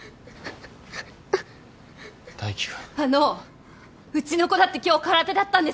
あのうちの子だって今日空手だったんですよ。